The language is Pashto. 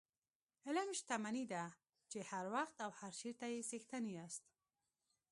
علم شتمني ده چې هر وخت او هر چېرته یې څښتن یاست.